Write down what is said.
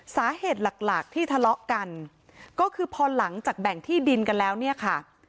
สาเหตุหลักหลักที่ทะเลาะกันก็คือพอหลังจากแบ่งที่ดินกันแล้วเนี่ยค่ะ